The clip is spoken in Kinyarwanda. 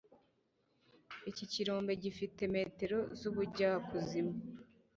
Iki kirombe gifite metero zubujyakuzimu